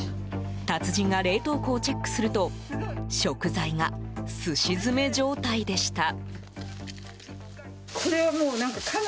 達人が冷凍庫をチェックすると食材が、すし詰め状態でした。